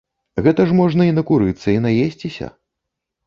Гэта ж можна й накурыцца, й наесціся.